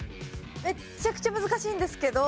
めちゃくちゃ難しいんですけど。